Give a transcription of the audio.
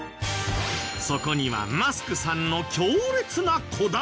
そこにはマスクさんの強烈なこだわりが。